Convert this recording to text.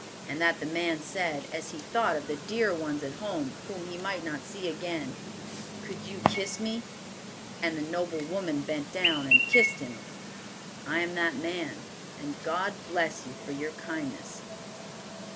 And that the man said, as he thought of the dear ones at home, whom he might not see again, 'Could you kiss me?' and the noble woman bent down and kissed him? I am that man, and God bless you for your kindness."